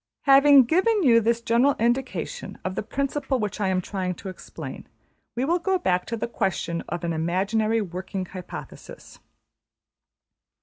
Having given you this general indication of the principle which I am trying to explain, we will go back to the question of an imaginary working hypothesis.